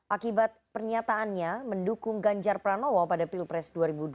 akibat pernyataannya mendukung ganjar pranowo pada pilpres dua ribu dua puluh